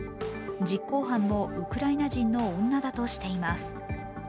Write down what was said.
実行犯もウクライナ人の女だとしています。